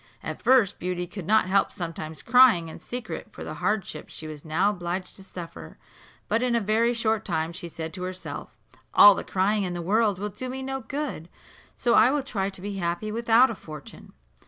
At first Beauty could not help sometimes crying in secret for the hardships she was now obliged to suffer; but in a very short time she said to herself, "All the crying in the world will do me no good, so I will try to be happy without a fortune."